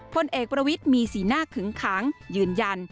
พลเอกประวิทย์มีสีหน้าขึงขังยืนยัน